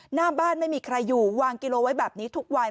หน้าบ้านไม่มีใครอยู่วางกิโลไว้แบบนี้ทุกวัน